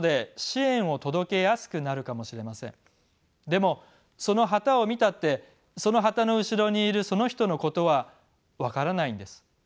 でもその旗を見たってその旗の後ろにいるその人のことは分からないんです。